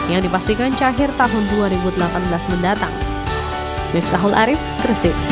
yang dipastikan cair tahun dua ribu delapan belas mendatang